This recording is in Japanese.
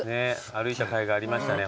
歩いたかいがありましたね